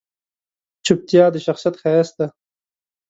چپتیا، د شخصیت ښایست دی.